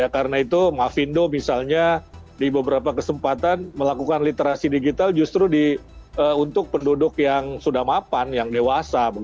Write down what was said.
karena itu mavindo misalnya di beberapa kesempatan melakukan literasi digital justru untuk penduduk yang sudah mapan yang dewasa